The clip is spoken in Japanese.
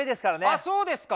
あそうですか。